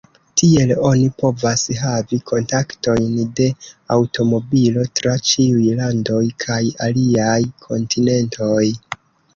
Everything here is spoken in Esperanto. Tiel oni povas havi kontaktojn de aŭtomobilo tra ĉiuj landoj kaj aliaj kontinentoj.